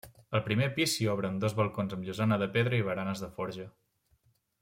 Al primer pis s'hi obren dos balcons amb llosana de pedra i baranes de forja.